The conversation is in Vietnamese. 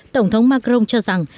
tổng thống macron cho rằng